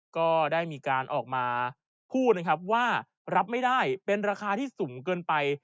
ก็ได้มีการออกมาพูดนะครับว่ารับไม่ได้เป็นราคาที่สูงเกินไป